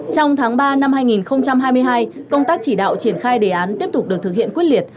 trong tháng ba năm hai nghìn hai mươi hai công tác chỉ đạo triển khai đề án tiếp tục được thực hiện quyết liệt